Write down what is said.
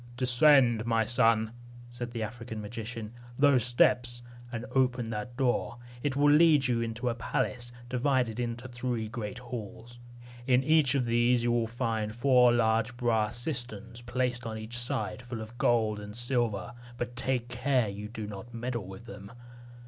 "Descend, my son," said the African magician, "those steps, and open that door. It will lead you into a palace, divided into three great halls. In each of these you will see four large brass cisterns placed on each side, full of gold and silver; but take care you do not meddle with them.